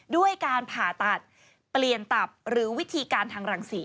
ด้วยการผ่าตัดเปลี่ยนตับหรือวิธีการทางรังศรี